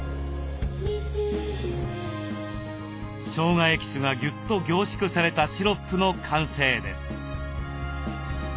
しょうがエキスがぎゅっと凝縮されたシロップの完成です。